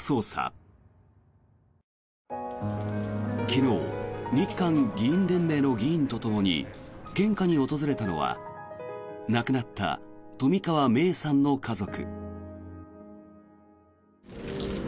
昨日日韓議員連盟の議員とともに献花に訪れたのは亡くなった冨川芽生さんの家族。